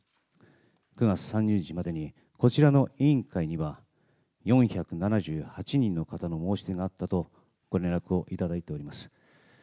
９月３０日までにこちらの委員会には、４７８人の方の申し出があったと、ご連絡を頂いております。